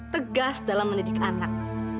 tegas dalam mendidik anak